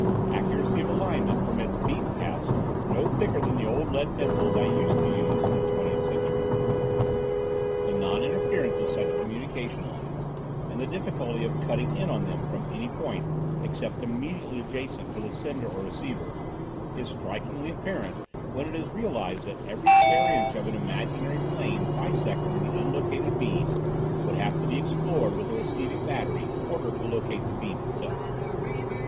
Accuracy of alignment permits beam paths no thicker than the old lead pencils I used to use in the Twentieth Century. The non interference of such communication lines, and the difficulty of cutting in on them from any point except immediately adjacent to the sender or receiver, is strikingly apparent when it is realized that every square inch of an imaginary plane bisecting the unlocated beam would have to be explored with a receiving battery in order to locate the beam itself.